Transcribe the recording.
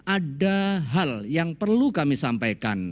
ada hal yang perlu kami sampaikan